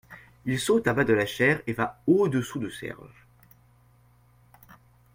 Il saute à bas de la chaire et va au-dessous de Serge.